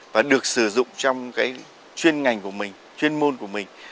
và được sử dụng trong cái chuyên ngành của mình chuyên môn của mình